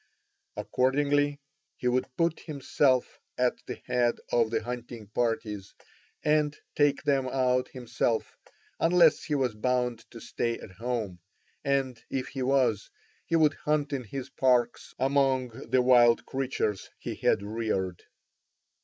Accordingly he would put himself at the head of the hunting parties and take them out himself unless he was bound to stay at home, and, if he was, he would hunt in his parks among the wild creatures he had reared.